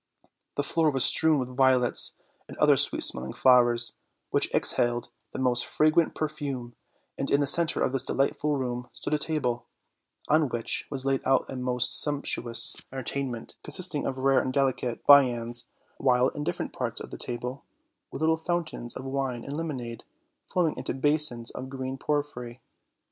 The floor was strewn with violets and other sweet smelling flowers, which exhaled the most fra grant perfume, and in the center of this delightful room stood a table, on which was laid out a most sumptuous en tertainment, consisting of rare and delicate viands; while in different parts of the table were little fountains of wine and lemonade, flowing into basins of green por phyry.